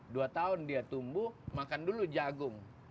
dua tahun dia tumbuh makan dulu jagung